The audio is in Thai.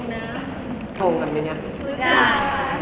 โดดีโดดีโดดีโด